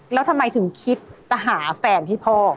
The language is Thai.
แล้วทำไมถึงคิดจะหาแฟนให้พ่อ